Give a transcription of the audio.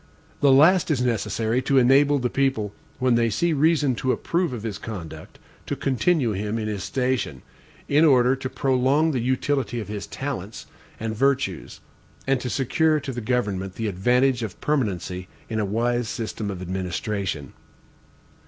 The last is necessary to enable the people, when they see reason to approve of his conduct, to continue him in his station, in order to prolong the utility of his talents and virtues, and to secure to the government the advantage of permanency in a wise system of administration.